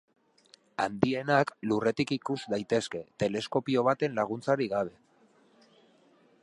Handienak Lurretik ikus daitezke teleskopio baten laguntzarik gabe.